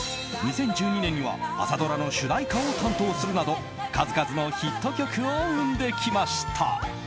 ２０１２年には朝ドラの主題歌を担当するなど数々のヒット曲を生んできました。